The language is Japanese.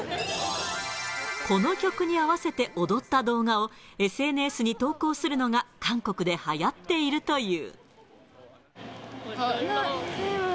この曲に合わせて踊った動画を、ＳＮＳに投稿するのが韓国ではやっているという。